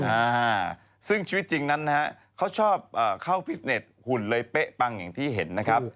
อ่าซึ่งชีวิตจริงนั้นนะฮะเขาชอบเอ่อเข้าฟิตเน็ตหุ่นเลยเป๊ะปังอย่างที่เห็นนะครับ